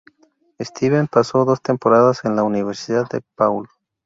Steven pasó dos temporadas en la Universidad de DePaul.